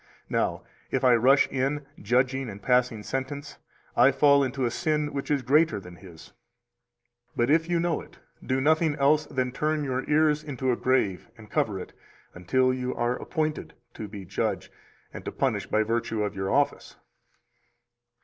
Now, if I rush in, judging and passing sentence, I fall into a sin which is greater than his. But if you know it, do nothing else than turn your ears into a grave and cover it, until you are appointed to be judge and to punish by virtue of your office.